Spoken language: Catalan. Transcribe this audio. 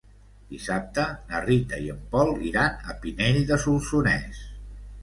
Dissabte na Rita i en Pol iran a Pinell de Solsonès.